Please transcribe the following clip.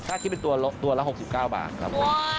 ถ้าคิดเป็นตัวละ๖๙บาทครับผม